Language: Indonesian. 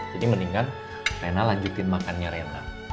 jadi mendingan rena lanjutin makannya rena